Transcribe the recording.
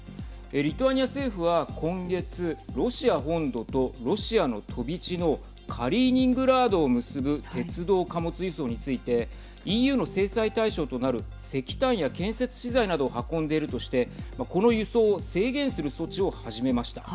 リトアニア政府は今月ロシア本土とロシアの飛び地のカリーニングラードを結ぶ鉄道貨物輸送についてＥＵの制裁対象となる石炭や建設資材などを運んでいるとしてこの輸送を制限する措置を始めました。